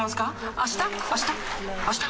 あした？